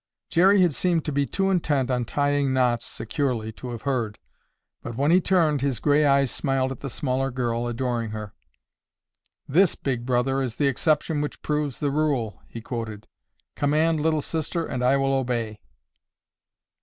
Jerry had seemed to be too intent on tying knots securely to have heard, but when he turned, his gray eyes smiled at the smaller girl, adoring her. "This Big Brother is the exception which proves the rule," he quoted. "Command, Little Sister, and I will obey."